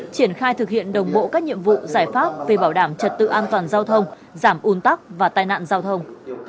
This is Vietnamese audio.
triển khai thực hiện đồng bộ các nhiệm vụ giải pháp về bảo đảm trật tự an toàn giao thông giảm un tắc và tai nạn giao thông